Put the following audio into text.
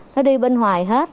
nó đi bên ngoài hết